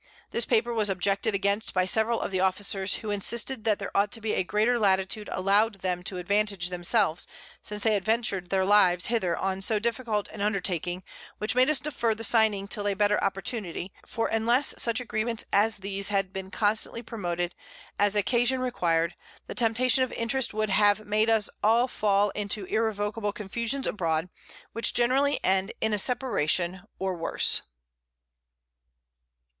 This Paper was objected against by several of the Officers, who insisted, that there ought to be a greater Latitude allowed them to advantage themselves, since they had ventured their Lives hither on so difficult an Undertaking, which made us defer the signing it till a better Opportunity; for unless such Agreements as these had been constantly promoted, as occasion required, the Temptation of Interest wou'd have made us fall into irrecoverable Confusions abroad, which generally end in a Separation, or worse.